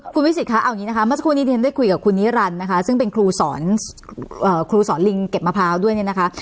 คุณวิศิษฐ์ค่ะเอาอย่างนี้นะคะเมื่อที่คุณนี้จะได้ได้คุยกับคุณนิรันค์นะคะซึ่งเป็นครูสรรคุณสรลิงเก็บมะพราวด้วยเนี่ยนะคะ